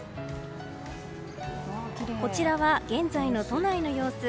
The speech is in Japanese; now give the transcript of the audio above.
こちらは現在の都内の様子。